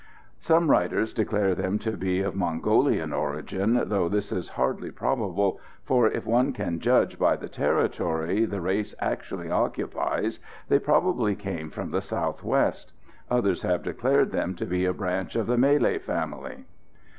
Some writers declare them to be of Mongolian origin, though this is hardly probable, for, if one can judge by the territory the race actually occupies, they probably came from the south west. Others have declared them to be a branch of the Malay family.